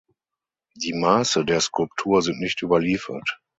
Die Maße der Skulptur sind nicht überliefert.